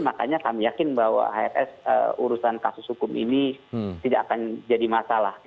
makanya kami yakin bahwa hrs urusan kasus hukum ini tidak akan jadi masalah